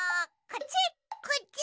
こっち！